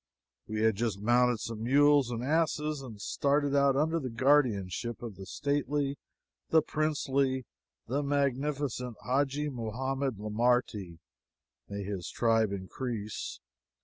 We had just mounted some mules and asses and started out under the guardianship of the stately, the princely, the magnificent Hadji Muhammad Lamarty (may his tribe increase!)